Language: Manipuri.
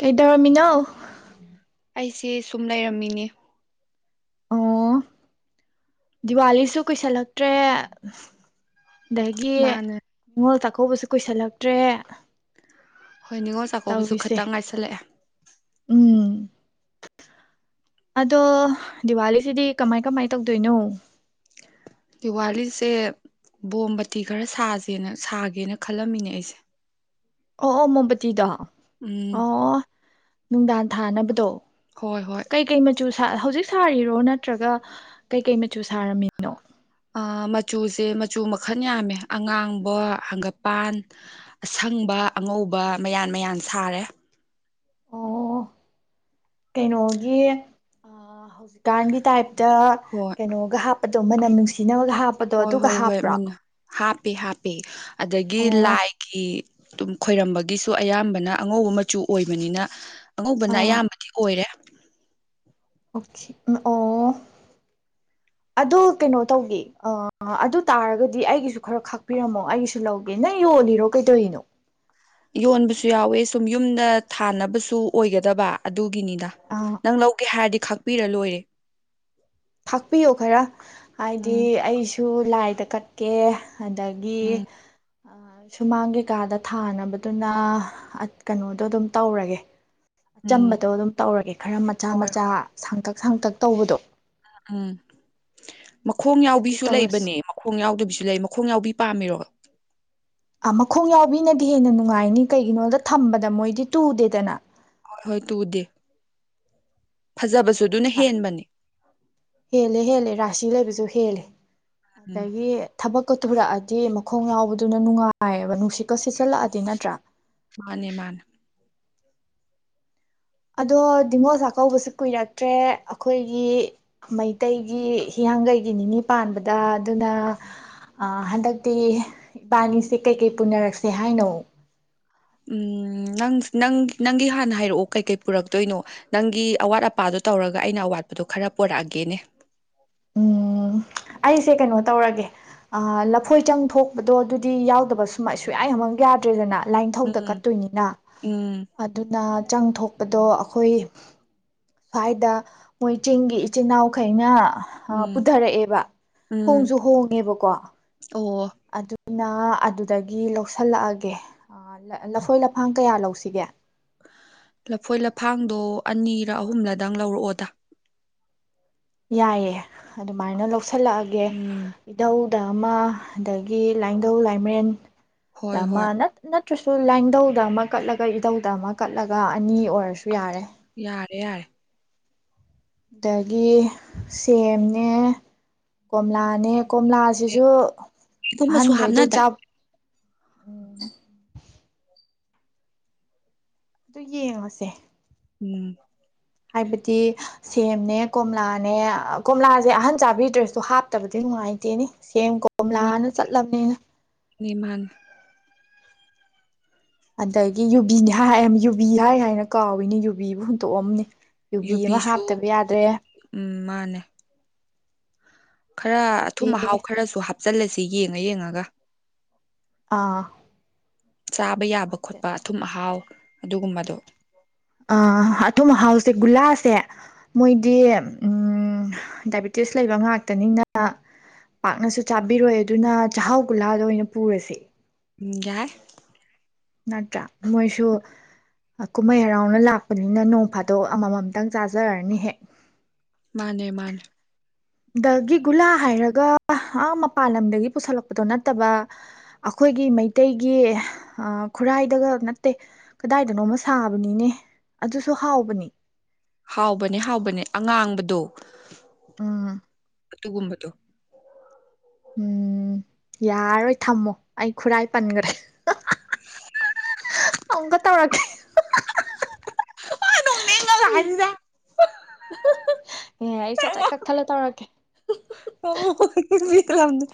ꯀꯩꯗꯧꯔꯝꯃꯤꯅꯣ ꯑꯩꯁꯦ ꯁꯨꯝ ꯂꯩꯔꯝꯃꯤꯅꯦ ꯑꯣ ꯗꯤꯋꯥꯂꯤꯁꯨ ꯀꯨꯏꯁꯤꯜꯂꯛꯇ꯭ꯔꯦ꯫ ꯗꯒꯤ ꯃꯥꯅꯦ ꯅꯤꯡꯉꯣꯜ ꯆꯥꯛꯀꯧꯕ ꯆꯛꯀꯧꯕꯁꯨ ꯀꯨꯏꯁꯤꯜꯂꯛꯇ꯭ꯔꯦ ꯍꯣꯏ ꯅꯤꯡꯉꯣꯜ ꯆꯥꯛꯀꯧꯕꯁꯨ ꯈꯇꯪ ꯉꯥꯏꯁꯜꯂꯛꯑꯦ꯫ ꯎꯝ ꯑꯗꯣ ꯗꯤꯋꯥꯂꯤꯁꯤꯗꯤ ꯀꯃꯥꯏ ꯀꯃꯥꯏ ꯇꯧꯗꯣꯏꯅꯣ ꯗꯤꯋꯥꯂꯤꯁꯦ ꯕꯣꯝꯕꯇꯤ ꯈꯔ ꯁꯥꯁꯦꯅ ꯁꯥꯒꯦꯅ ꯈꯜꯂꯝꯃꯤꯅꯦ ꯑꯩꯁꯦ ꯑꯣ ꯑꯣ ꯃꯣꯕꯇꯤꯗꯣ ꯎꯝ ꯅꯨꯡꯗꯥꯡ ꯊꯥꯅꯕꯗꯣ ꯍꯣꯏ ꯍꯣꯏ ꯀꯩ ꯀꯩ ꯃꯆꯨꯁꯥ꯫ ꯍꯧꯖꯤꯛ ꯁꯥꯔꯤꯔꯣ ꯅꯠꯇ꯭ꯔꯒ ꯀꯩꯀꯩ ꯃꯆꯨ ꯁꯥꯔꯝꯃꯤꯅꯣ ꯑꯥ ꯃꯆꯨꯁꯦ ꯃꯆꯨ ꯃꯈꯜ ꯌꯥꯝꯃꯦ ꯑꯉꯥꯡꯕ ꯍꯪꯒꯄꯥꯟ ꯑꯁꯪꯕ ꯑꯉꯧꯕ ꯃꯌꯥꯝꯟ ꯃꯌꯥꯝ ꯁꯥꯔꯦ ꯑꯣ ꯀꯩꯅꯣꯒꯤ ꯍꯧꯖꯤꯛ ꯍꯧꯖꯤꯛꯀꯥꯟꯒꯤ ꯇꯥꯏꯞꯇ ꯍꯣꯏ ꯀꯩꯅꯣꯒ ꯑꯗꯣ ꯃꯅꯝ ꯅꯨꯡꯁꯤꯅꯕ ꯍꯣꯏ ꯍꯣꯏ ꯍꯣꯏ ꯑꯃꯅ ꯍꯥꯞꯄꯤ ꯍꯥꯞꯄꯤ ꯑꯗꯒꯤ ꯑꯣ ꯂꯥꯏꯒꯤ ꯑꯗꯨꯝ ꯈꯣꯏꯔꯝꯕꯒꯤꯁꯨ ꯑꯌꯥꯝꯕꯅ ꯑꯉꯧꯕ ꯃꯆꯨ ꯑꯣꯏꯕꯅꯤꯅ ꯑꯉꯧꯕꯅ ꯑꯥ ꯑꯌꯥꯝꯕꯗꯤ ꯑꯣꯏꯔꯦ ꯑꯣꯀꯦ ꯑꯣ ꯑꯗꯣ ꯀꯩꯅꯣ ꯇꯧꯒꯦ ꯑꯗꯨ ꯇꯥꯔꯒꯗꯤ ꯑꯩꯒꯤꯁꯨ ꯈꯔ ꯈꯥꯛꯄꯤꯔꯝꯃꯣ ꯑꯩꯒꯤꯁꯨ ꯂꯧꯒꯦ ꯅꯪ ꯌꯣꯜꯂꯤꯔꯣ ꯀꯩꯗꯧꯔꯤꯅꯣ ꯌꯣꯟꯕꯁꯨ ꯌꯥꯎꯋꯦ ꯁꯨꯝ ꯌꯨꯝꯗ ꯊꯥꯅꯕꯁꯨ ꯑꯣꯏꯒꯗꯕ ꯑꯗꯨ ꯒꯤꯅꯤꯗ ꯑꯥ ꯅꯪ ꯂꯧꯒꯦ ꯍꯥꯏꯔꯗꯤ ꯈꯥꯛꯄꯤꯔ ꯂꯣꯏꯔꯦ꯫ ꯊꯥꯛꯄꯤꯌꯣ ꯈꯔ ꯍꯥꯏꯗꯤ ꯎꯝ ꯑꯩꯁꯨ ꯁꯨ ꯂꯥꯏꯗ ꯀꯠꯀꯦ ꯑꯗꯒꯤ ꯎꯝ ꯑꯥ ꯁꯨꯃꯥꯡ ꯀꯩꯀꯥꯗ ꯊꯥꯅꯕꯗꯨꯅ ꯀꯩꯅꯣꯗꯣ ꯑꯗꯨꯝ ꯇꯧꯔꯒꯦ ꯎꯝ ꯑꯆꯝꯕꯗꯣ ꯑꯗꯨꯝ ꯇꯧꯔꯒꯦ ꯈꯔ ꯃꯆꯥ ꯍꯣꯏ ꯃꯆꯥ ꯍꯣꯏ ꯁꯥꯡꯇꯛ ꯁꯥꯡꯇꯛ ꯇꯧꯕꯗꯣ ꯎꯝ ꯃꯈꯣꯡ ꯑꯗꯨ ꯌꯥꯎꯕꯤꯁꯨ ꯇꯧꯔꯁꯤ ꯂꯩꯕꯅꯦ ꯃꯈꯣꯡ ꯌꯥꯎꯗꯕꯤꯁꯨ ꯂꯩ ꯃꯈꯣꯡ ꯌꯥꯎꯕꯤ ꯄꯥꯝꯃꯤꯔꯣ ꯑꯥ ꯃꯈꯣꯡ ꯌꯥꯎꯕꯤꯅꯗꯤ ꯍꯦꯟꯅ ꯅꯨꯡꯉꯥꯏꯅꯤ ꯀꯩꯒꯤꯅꯣꯗ ꯊꯝꯕꯗ ꯃꯣꯏꯗꯤ ꯇꯨꯗꯦꯗꯅ ꯍꯣꯏ ꯍꯣꯏ ꯇꯨꯗꯦ ꯐꯖꯕꯁꯨ ꯑꯗꯨꯅ ꯍꯦꯟꯕꯅꯤ ꯍꯦꯜꯂꯦ ꯍꯦꯜꯂꯦ ꯔꯥꯁꯤ ꯂꯩꯕꯁꯨ ꯍꯦꯜꯂꯦ ꯎꯝ ꯑꯗꯒꯤ ꯊꯕꯛ ꯀꯥ ꯇꯨꯔꯛꯑꯗꯤ ꯃꯈꯣꯡ ꯌꯥꯎꯕꯗꯨꯅ ꯅꯨꯡꯉꯥꯏꯑꯕ ꯅꯨꯡꯁꯤꯠꯀ ꯁꯤꯠꯆꯜꯂꯛꯑꯗꯤ ꯅꯠꯇ꯭ꯔꯥ ꯃꯥꯅꯦ ꯃꯥꯅꯦ ꯑꯗꯣ ꯅꯤꯡꯉꯣꯜ ꯆꯥꯛꯀꯧꯕꯁꯨ ꯀꯨꯏꯔꯛꯇ꯭ꯔꯦ ꯑꯩꯈꯣꯏꯒꯤ ꯃꯩꯇꯩꯒꯤ ꯍꯤꯌꯥꯡꯒꯩꯒꯤ ꯅꯤꯅꯤ ꯄꯥꯟꯕꯗ ꯑꯗꯨꯅ ꯑ ꯍꯟꯗꯛꯇꯤ ꯏꯕꯥꯅꯤꯁꯦ ꯀꯩꯀꯩ ꯄꯨꯅꯔꯛꯁꯦ ꯍꯥꯏꯅꯣ ꯎꯝ ꯅꯪ ꯅꯪ ꯅꯪꯒꯤ ꯍꯥꯟꯅ ꯍꯥꯏꯔꯛꯑꯣ ꯀꯩꯀꯩ ꯄꯨꯔꯛꯇꯣꯏꯅꯣ ꯅꯪꯒꯤ ꯑꯋꯥꯠ ꯑꯄꯥꯗꯣ ꯇꯧꯔꯒ ꯑꯩꯅ ꯑꯋꯥꯠꯄꯗꯣ ꯈꯔ ꯄꯨꯔꯛꯑꯒꯦꯅꯦ ꯎꯝ ꯑꯩꯁꯦ ꯀꯩꯅꯣ ꯇꯧꯔꯒꯦ ꯑ ꯂꯐꯣꯏ ꯆꯪ ꯊꯣꯛꯄꯗꯣ ꯑꯗꯨꯗꯤ ꯌꯥꯎꯗꯕ ꯁꯨꯝꯌꯥ ꯁꯨꯡꯌꯥꯃꯛ ꯌꯥꯗ꯭ꯔꯦꯗꯅ ꯂꯥꯏꯟꯊꯧꯗ ꯎꯝ ꯀꯠꯇꯨꯏꯅꯤꯅ ꯎꯝ ꯑꯗꯨꯅ ꯆꯪꯊꯣꯛ ꯑꯗꯣ ꯑꯩꯈꯣꯏ ꯁ꯭ꯋꯥꯏꯗ ꯃꯣꯏ ꯆꯤꯡꯒꯤ ꯏꯆꯤꯟꯜ ꯏꯅꯥꯎꯈꯩꯅ ꯑ ꯎꯝ ꯄꯨꯊꯔꯛꯑꯦꯕ ꯎꯝ ꯍꯣꯡꯁꯨ ꯍꯣꯡꯉꯦꯕꯀꯣ ꯑꯣ ꯑꯗꯨꯅ ꯑꯗꯨꯗꯒꯤ ꯂꯧꯁꯜꯂꯛꯑꯒꯦ ꯑ ꯂꯐꯣꯏ ꯂꯐꯥꯡ ꯀꯌꯥ ꯂꯧꯁꯤꯒꯦ ꯂꯐꯣꯏ ꯂꯐꯥꯡꯗꯣ ꯑꯅꯤꯔ ꯑꯍꯨꯝꯂꯗꯪ ꯂꯧꯔꯛꯑꯣꯗ ꯌꯥꯏꯌꯦ ꯑꯗꯨꯃꯥꯏꯅ ꯂꯧ ꯂꯧꯁꯜꯂꯛꯑꯒꯦ ꯎꯝ ꯏꯙꯧ ꯗ ꯑꯃ ꯑꯗꯒꯤ ꯂꯥꯏꯙꯧ ꯂꯥꯏꯃꯔꯦꯟ ꯍꯣꯏ ꯇꯃ ꯍꯣꯏ ꯅꯠ ꯅꯠ ꯅꯠꯇ꯭ꯔꯁꯨ ꯂꯥꯏꯙꯧꯗ ꯑꯃ ꯀꯠꯂꯒ ꯏꯙꯧꯗ ꯑꯃ ꯀꯠꯂꯒ ꯑꯅꯤ ꯑꯣꯏꯔꯁꯨ ꯌꯥꯔꯦ ꯌꯥꯔꯦ ꯌꯥꯔꯦ ꯑꯗꯒꯤ ꯁꯦꯝꯅꯦ ꯀꯣꯝꯂꯥꯅꯦ ꯀꯣꯝꯂꯥꯁꯤꯁꯨ ꯀꯩꯒꯨꯝꯕꯁꯨ ꯑꯍꯟꯒꯩꯗꯣ ꯍꯥꯞꯅꯗ꯭ꯔꯦ ꯆꯞ [inaudible] ꯑꯗꯨ ꯌꯦꯡꯉꯁꯦ ꯎꯝ ꯍꯥꯏꯕꯗꯤ ꯁꯦꯝꯅꯦ ꯀꯣꯝꯂꯥꯅꯦ ꯀꯣꯝꯂꯥꯁꯦ ꯑꯍꯟ ꯆꯥꯕꯤꯗ꯭ꯔꯁꯨ ꯍꯥꯞꯇꯕꯗꯤ ꯅꯨꯡꯉꯥꯏꯇꯦꯅꯦ ꯁꯦꯝ ꯅꯨꯡꯉꯥꯏꯅꯤ ꯀꯣꯝꯂꯥꯅ ꯆꯠꯂꯕꯅꯤꯅ ꯃꯥꯅꯦ ꯑꯗꯒꯤ ꯌꯨꯕꯤꯅꯤ ꯍꯥꯏ ꯌꯨꯕꯤ ꯍꯥꯏ ꯍꯥꯏꯅ ꯀꯥꯎꯏꯅꯦ ꯌꯨꯕꯤꯕꯨ ꯍꯨꯟꯇꯣꯛꯑꯝꯅꯤ ꯌꯨꯕꯤ ꯑꯃ ꯌꯨꯕꯤꯁꯨ ꯍꯥꯞꯇꯕ ꯌꯥꯗ꯭ꯔꯦ ꯎꯝ ꯃꯥꯅꯦ ꯈꯔ ꯑꯊꯨꯝ ꯑꯗꯒꯤ ꯑꯍꯥꯎ ꯈꯔꯁꯨ ꯍꯥꯞ ꯆꯜꯂꯁꯤ ꯌꯦꯡꯉ ꯌꯦꯡꯉꯒ ꯑꯥ ꯆꯥꯕ ꯌꯥꯕ ꯈꯣꯠꯄ ꯑꯊꯨꯝ ꯑꯍꯥꯎ ꯑꯗꯨꯒꯨꯝꯕꯗꯣ ꯑ ꯑꯊꯨꯝ ꯑꯍꯥꯎꯁꯦ ꯒꯨꯂꯥꯁꯦ ꯃꯣꯏꯗꯤ ꯎꯝ ꯗꯥꯏꯕꯤꯇꯤꯁ ꯂꯩꯕ ꯉꯥꯛꯇꯅꯤꯅ ꯄꯥꯛꯅꯁꯨ ꯆꯥꯕꯤꯔꯣꯏ ꯑꯗꯨꯅ ꯆꯥꯛꯍꯥꯎ ꯒꯨꯂꯥꯗꯣ ꯑꯣꯏꯅ ꯄꯨꯔꯁꯦ ꯎꯝ ꯌꯥꯏ ꯅꯠꯇ꯭ꯔꯥ ꯃꯣꯏꯁꯨ ꯀꯨꯝꯍꯩ ꯍꯔꯥꯎꯅ ꯂꯥꯛꯄꯅꯤꯅ ꯅꯣꯡ ꯐꯥꯗꯣꯛ ꯑꯃꯃꯝꯇꯪ ꯆꯥꯖꯔꯅꯤ ꯍꯦꯛ ꯃꯥꯟꯅꯦ ꯃꯥꯟꯅꯦ ꯗꯒꯤ ꯒꯨꯂꯥ ꯍꯥꯏꯔꯒ ꯑ ꯃꯄꯥꯟ ꯂꯝꯗꯒꯤ ꯄꯨꯁꯜꯂꯛꯄꯗꯣ ꯅꯠꯇꯕ ꯑꯩꯈꯣꯏꯒꯤ ꯃꯩꯇꯩꯒꯤ ꯈꯨꯔꯥꯏꯗꯒ ꯅꯠꯇꯦ ꯀꯗꯥꯏꯗꯅꯣꯃ ꯁꯥꯕꯅꯤꯅꯦ ꯑꯗꯨꯁꯨ ꯍꯥꯎꯕꯅꯤ ꯍꯥꯎꯕꯅꯦ ꯍꯥꯎꯕꯅꯦ ꯑꯉꯥꯡꯕꯗꯣ ꯎꯝ ꯑꯗꯨꯒꯨꯝꯕꯗꯣ ꯎꯝ ꯌꯥꯔꯔꯣꯏ ꯊꯝꯃꯣ ꯑꯩ ꯈꯨꯔꯥꯏ ꯄꯟꯈ꯭ꯔꯦ ꯎꯝꯍꯛ ꯍꯛ [inaudible] ꯒ ꯇꯧꯔꯛꯀꯦ ꯑꯦ ꯅꯣꯡꯅ ꯑꯩ ꯁꯠ ꯁꯠ ꯀꯛꯊꯠꯂ ꯇꯧꯔꯛꯀꯦ [inaudible] [inaudible] ꯗ